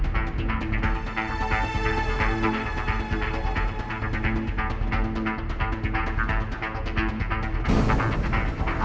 sisi rumah ini